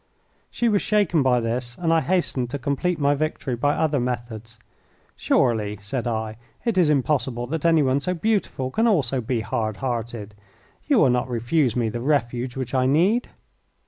She was shaken by this, and I hastened to complete my victory by other methods. "Surely," said I, "it is impossible that anyone so beautiful can also be hard hearted? You will not refuse me the refuge which I need."